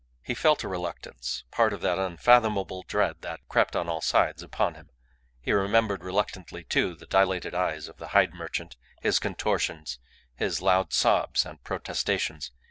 He felt a reluctance part of that unfathomable dread that crept on all sides upon him. He remembered reluctantly, too, the dilated eyes of the hide merchant, his contortions, his loud sobs and protestations.